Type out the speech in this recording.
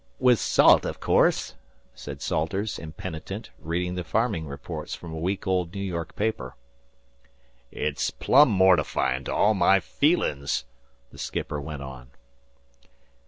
"With salt, o' course," said Salters, impenitent, reading the farming reports from a week old New York paper. "It's plumb mortifyin' to all my feelin's," the skipper went on.